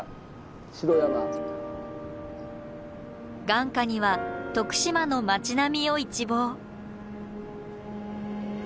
眼下には徳島の町並みを一望。